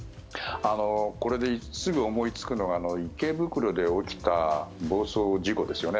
これですぐ思いつくのが池袋で起きた暴走事故ですよね。